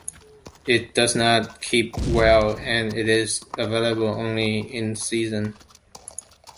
It does not keep well, and it is available only in season.